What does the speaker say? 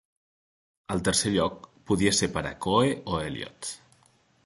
El tercer lloc podia ser per a Coe o Eliiot.